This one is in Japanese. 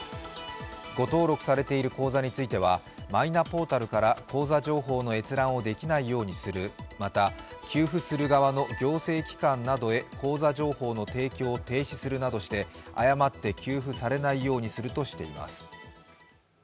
誤登録されている口座についてはマイナポータルから口座情報の閲覧をできないようにする、また、給付する側の行政機関などへ口座情報を変更するなどして誤って給付されないようにするとしています。